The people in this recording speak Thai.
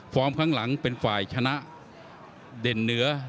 ข้างหลังเป็นฝ่ายชนะเด่นเหนือ